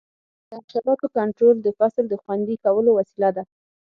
د حشراتو کنټرول د فصل د خوندي کولو وسیله ده.